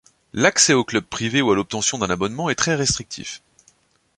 L'accès au club privé ou à l'obtention d'un abonnement est très restrictif.